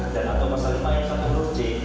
dan atau masalah yang satu dua